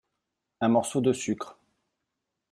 Un morceau de sucre.